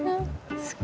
好き。